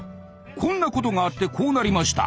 「こんなことがあってこうなりました。